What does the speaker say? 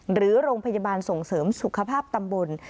หรือโรงพยาบาลส่งเสริมสุขภาพตำบล